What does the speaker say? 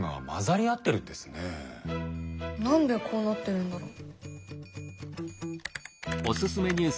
何でこうなってるんだろう？